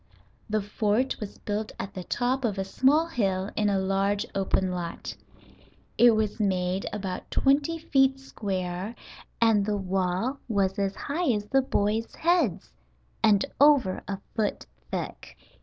The fort was built at the top of a small hill in a large open lot. It was made about twenty feet square and the wall was as high as the boys' heads and over a foot thick.